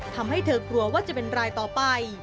ทำให้เธอกลัวว่าจะเป็นรายต่อไป